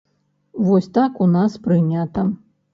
Вось так у нас прынята.